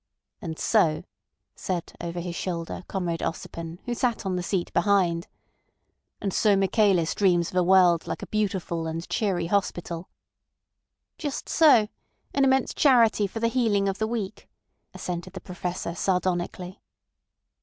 "And so," said over his shoulder Comrade Ossipon, who sat on the seat behind. "And so Michaelis dreams of a world like a beautiful and cheery hospital." "Just so. An immense charity for the healing of the weak," assented the Professor sardonically.